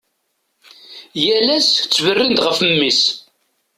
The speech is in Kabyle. Yal ass ttberrin-d ɣef mmi-s.